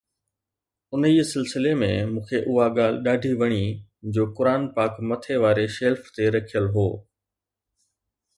انهيءَ سلسلي ۾ مون کي اها ڳالهه ڏاڍي وڻي جو قرآن پاڪ مٿي واري شيلف تي رکيل هو